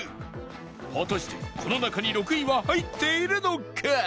果たしてこの中に６位は入っているのか？